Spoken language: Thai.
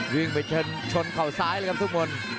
วิ่งไปชนเข่าซ้ายเลยครับทุกคน